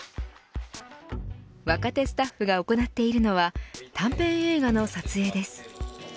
若手スタッフが行っているのは短編映画の撮影です。